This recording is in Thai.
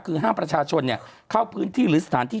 คือห้ามประชาชนเข้าพื้นที่หรือสถานที่